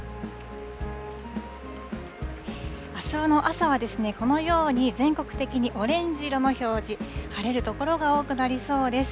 あすの朝はこのように全国的にオレンジ色の表示、晴れる所が多くなりそうです。